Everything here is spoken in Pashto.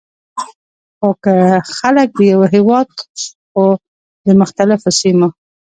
خو که خلک د یوه هیواد خو د مختلفو سیمو،